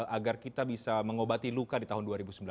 agar kita bisa mengobati luka di tahun dua ribu sembilan belas